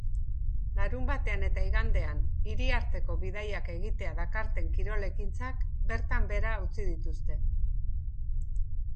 Larunbatean eta igandean hiriarteko bidaiak egitea dakarten kirol ekintzak bertan behera utzi dituzte.